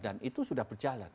dan itu sudah berjalan